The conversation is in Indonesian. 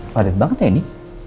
padat banget ya ini